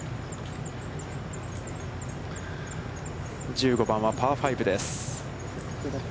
１５番はパー５です。